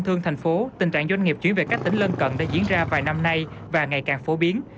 trong sáu tháng đầu năm các doanh nghiệp chuyển về các tỉnh lân cận đã diễn ra và ngày càng phổ biến